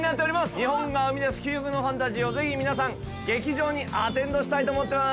日本が生み出す究極のファンタジーをぜひ皆さん劇場にアテンドしたいと思ってます